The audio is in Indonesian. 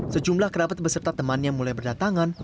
sejumlah kerabat beserta temannya mulai berdatangan